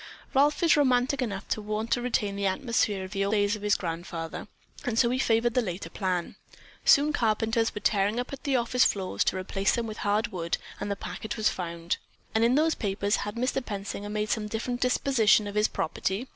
"Ralph is romantic enough to want to retain the atmosphere of the days of his grandfather, and so he favored the latter plan. Soon carpenters were tearing up the office floors to replace them with hard wood and the packet was found." "And in those papers, had Mr. Pensinger made some different disposition of his property?"